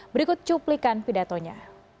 berikut cuplikan pidatonya